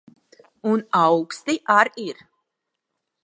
Un auksti ar ir.